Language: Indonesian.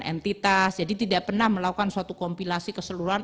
entitas jadi tidak pernah melakukan suatu kompilasi keseluruhan